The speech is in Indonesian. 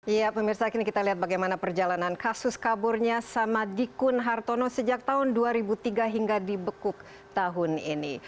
ya pemirsa kini kita lihat bagaimana perjalanan kasus kaburnya samadikun hartono sejak tahun dua ribu tiga hingga dibekuk tahun ini